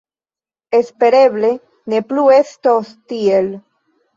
Espereble ne plu estos tiel.